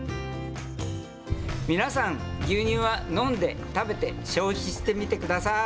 皆さん、牛乳は飲んで、食べて、消費してみてください。